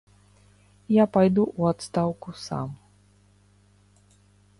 Я пайду ў адстаўку сам.